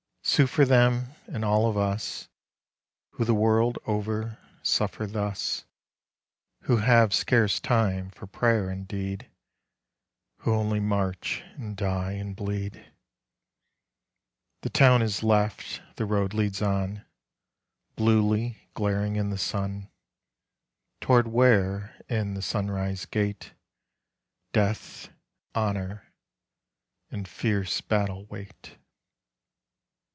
Sue for them and all of us Who the world over suffer thus, Who have scarce time for prayer indeed, Who only march and die and bleed. The town is left, the road leads on, Bluely glaring in the sun, Toward where in the sunrise gate Death, honour, and fierce battle wait.